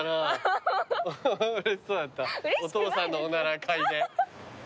お父さんのおなら嗅いで。